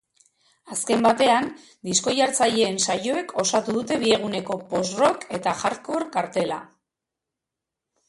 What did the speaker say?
Azken batean, disko-jartzaileen saioek osatu dute bi eguneko post-rock eta hardcore kartela.